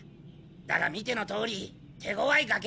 だが見てのとおり手ごわいがけでな。